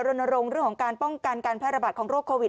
รณรงค์เรื่องของการป้องกันการแพร่ระบาดของโรคโควิด